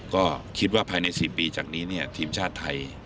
ก็คิดว่าภายใน๔ปีจากนี้ทีมชาติไทย